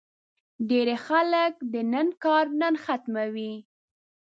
ډېری خلک د نن کار نن ختموي.